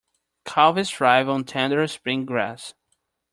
Calves thrive on tender spring grass.